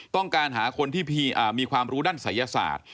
ต้องการหาคนที่มีความรู้ด้านศัยศาสตร์